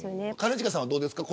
兼近さんは、どうですか。